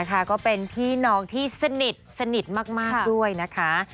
นะคะก็เป็นพี่น้องที่สนิทสนิทมากด้วยนะคะ